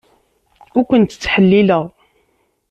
Ur kent-ttḥellileɣ.